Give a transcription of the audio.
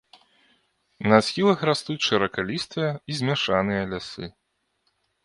На схілах растуць шыракалістыя і змяшаныя лясы.